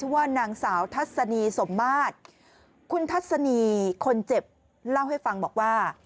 ว่านางสาวทัศนีสมมาตรคุณทัศนีคนเจ็บเล่าให้ฟังบอกว่า